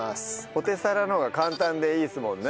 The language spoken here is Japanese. ポテサラの方が簡単でいいですもんね。